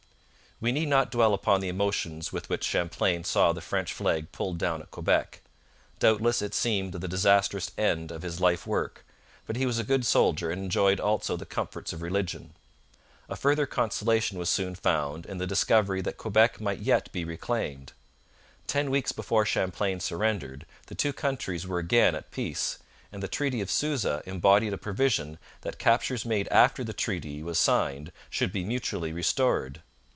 We need not dwell upon the emotions with which Champlain saw the French flag pulled down at Quebec. Doubtless it seemed the disastrous end of his life work, but he was a good soldier and enjoyed also the comforts of religion. A further consolation was soon found in the discovery that Quebec might yet be reclaimed. Ten weeks before Champlain surrendered, the two countries were again at peace, and the Treaty of Suza embodied a provision that captures made after the treaty was signed should be mutually restored.